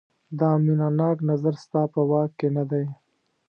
دا مینه ناک نظر ستا په واک کې نه دی.